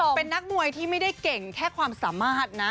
เป็นนักมวยที่ไม่ได้เก่งแค่ความสามารถนะ